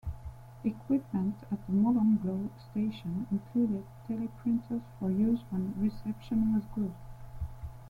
Equipment at the Molonglo station included teleprinters for use when reception was good.